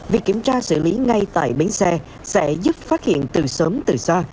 việc kiểm tra xử lý ngay tại bến xe sẽ giúp phát hiện từ sớm từ xa